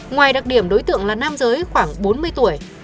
ngoài đặc điểm đối tượng là nam giới khoảng bốn mươi tuổi